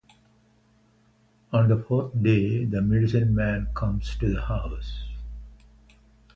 On the fourth day, the medicine-man comes to the house.